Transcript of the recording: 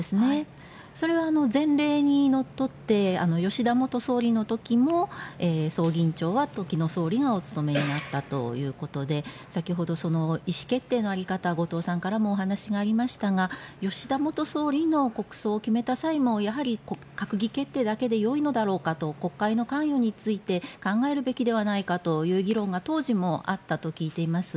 それは前例にのっとって吉田元総理の時も葬儀委員長は時の総理がお務めになったということで先ほど意思決定の在り方後藤さんからもお話がありましたが吉田元総理の国葬を決めた際もやはり閣議決定だけでよいのだろうかと国会の関与について考えるべきではないかという議論が当時もあったと聞いています。